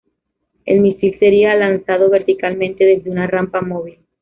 El misil sería lanzado verticalmente desde una rampa móvil.